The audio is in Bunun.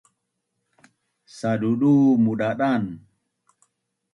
Sadudu mudadan